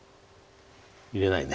入れないね。